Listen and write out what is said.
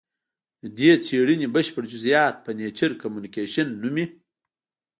د دې څېړنې بشپړ جزیات په نېچر کمونیکشن نومې